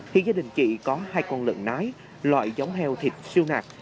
thì gia đình chị có hai con lợn nái loại giống heo thịt siêu nạc